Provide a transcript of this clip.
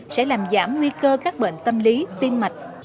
sẽ làm giảm nguy cơ các bệnh tâm lý tim mạch